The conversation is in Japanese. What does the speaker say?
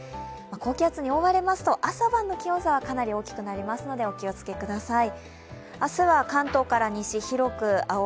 高気圧に覆われますと朝晩の気温差、大きくなりますので、お気をつけください。